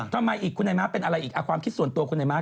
ทำไมอีกคุณไอ้ม้าเป็นอะไรอีกความคิดส่วนตัวคุณนายม้า